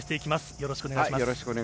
よろしくお願いします。